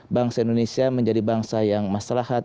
bangsa indonesia menjadi bangsa yang maslahat